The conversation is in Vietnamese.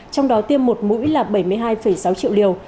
trong đó tiêm một mũi là bảy mươi hai sáu triệu liều